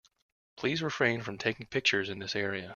Please refrain from taking pictures in this area.